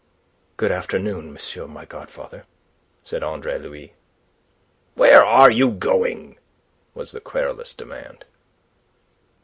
"Good afternoon, monsieur my godfather," said Andre Louis. "Where are you going?" was the querulous demand.